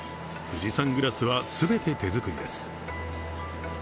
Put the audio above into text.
富士山グラスは全て手作りです。